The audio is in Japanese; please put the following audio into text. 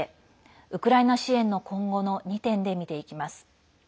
ウクライナ支援の今後の２点で見ていきます。